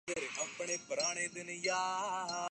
جس نی تاریخ کی بدترین سونامی کو جنم دیا تھا۔